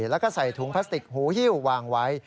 แล้วก็ใส่ถุงพลาสติกหูฮิ้ววางไว้